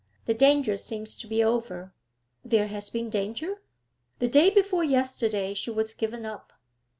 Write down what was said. The danger seems to be over.' 'There has been danger?' 'The day before yesterday she was given up.'